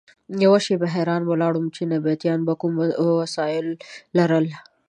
یوه شېبه حیران ولاړ وم چې نبطیانو به کوم وسایل لرل.